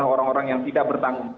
orang orang yang tidak bertanggung